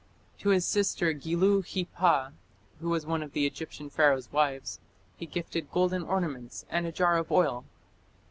To his sister Gilu khipa, who was one of the Egyptian Pharaoh's wives, he gifted golden ornaments and a jar of oil.